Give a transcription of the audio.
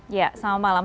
ya selamat malam